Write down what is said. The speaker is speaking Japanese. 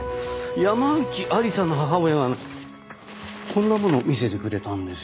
山内愛理沙の母親がこんなものを見せてくれたんですよ。